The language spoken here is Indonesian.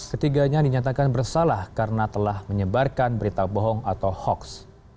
ketiganya dinyatakan bersalah karena telah menyebarkan berita bohong atau hoaks